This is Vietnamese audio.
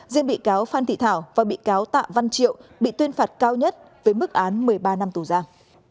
riêng bị cáo phan thị thảo và bị cáo tạ văn triệu bị tuyên phạt cao nhất với mức án một mươi ba năm tù giam